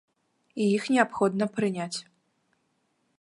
І іх неабходна прыняць.